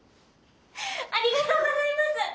ありがとうございます。